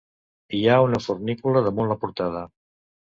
Hi ha una fornícula damunt la portada.